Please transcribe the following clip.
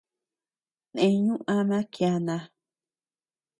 Neñu ama kiana.